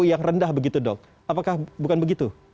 yang rendah begitu dok apakah bukan begitu